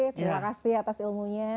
terima kasih atas ilmunya